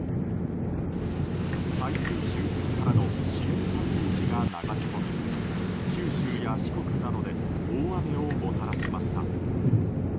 台風周辺からの湿った空気が流れ込み九州や四国などで大雨をもたらしました。